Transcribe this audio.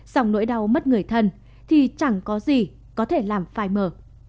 xong nỗi đau mất người thân thì chẳng có gì có thể làm phai mở